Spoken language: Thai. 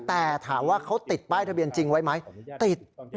แต่ถามว่าเขาติดป้ายทะเบียนจริงไว้ไหมติด